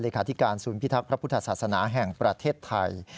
ธิการศูนย์พิทักษ์พระพุทธศาสนาแห่งประเทศไทย